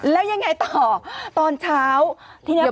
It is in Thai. แล้วยังไงต่อตอนเช้าที่นี่พ่อตั้งใจ